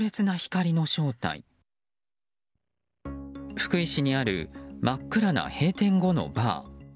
福井市にある真っ暗な閉店後のバー。